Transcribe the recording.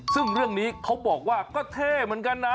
ซึ่งเรื่องนี้เขาบอกว่าก็เท่เหมือนกันนะ